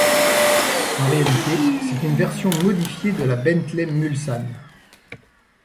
En réalité, c'est une version modifiée de la Bentley Mulsanne.